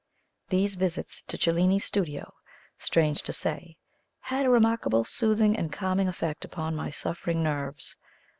These visits to Cellini's studio, strange to say, had a remarkably soothing and calming effect upon my suffering nerves.